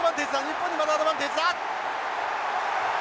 日本にまだアドバンテージだ。